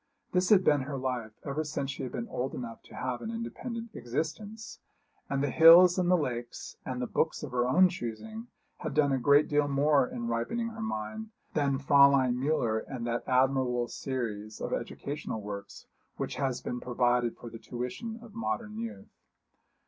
This had been her life ever since she had been old enough to have an independent existence; and the hills and the lakes, and the books of her own choosing, had done a great deal more in ripening her mind than Fräulein Müller and that admirable series of educational works which has been provided for the tuition of modern youth.